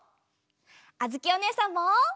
あづきおねえさんも！